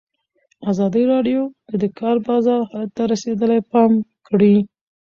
ازادي راډیو د د کار بازار حالت ته رسېدلي پام کړی.